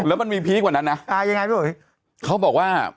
แล้วมันมีพีคกว่านั้นนะ